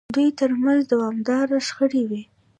دوی ترمنځ دوامداره شخړې وې.